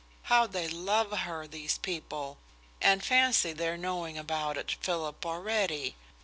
"How they love her, these people! And fancy their knowing about it, Philip, already!